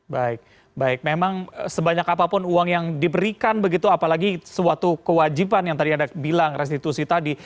baik baik memang sebanyak apapun uang yang diberikan begitu apalagi suatu kewajiban yang tadi anda bilang restitusi tadi